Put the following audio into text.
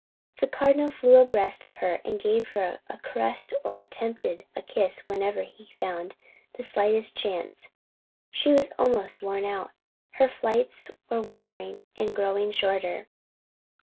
The Cardinal flew abreast of her and gave her a caress or attempted a kiss whenever he found the slightest chance. She was almost worn out, her flights were wavering and growing shorter.